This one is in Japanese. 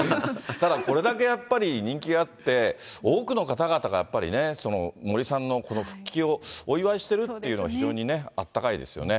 ただこれだけやっぱり、人気があって、多くの方々がやっぱりね、森さんのこの復帰をお祝いしてるっていうのが非常にね、あったかいですよね。